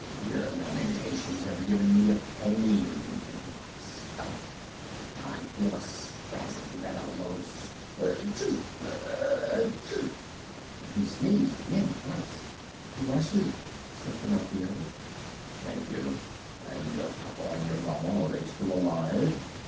Your lamentations have given me a pain in my stomach. I feel a spasm that almost Etchoo! etchoo!" and he sneezed again twice. "Bless you!" said Pinocchio. "Thank you! And your papa and your mamma, are they still alive?"